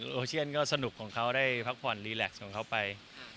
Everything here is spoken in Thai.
โอเชียนก็สนุกของเขาได้พักผ่อนรีแล็กซของเขาไป